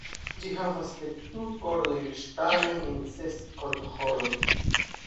Ĝi havas dekdu kordojn ŝtalajn en ses kordoĥoroj.